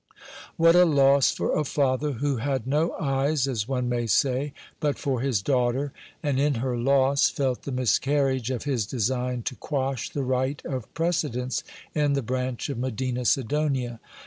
What a loss for a father who had no eyes, as one may say, but for his daughter, and in her loss felt the miscarriage of his design to quash the right of precedence in the branch of Medina Sidonia